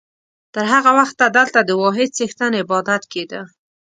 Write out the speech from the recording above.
تر هغه وخته دلته د واحد څښتن عبادت کېده.